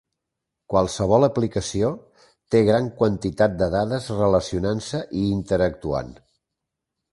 Qualsevol aplicació té gran quantitat de dades relacionant-se i interactuant.